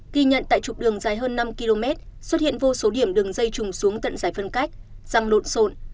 ghi nhận tại trục đường dài hơn năm km xuất hiện vô số điểm đường dây trùng xuống tận giải phân cách răng lộn xộn